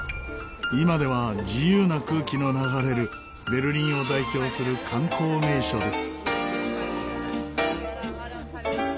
今では自由な空気の流れるベルリンを代表する観光名所です。